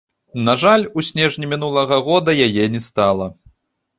На жаль, у снежні мінулага года яе не стала.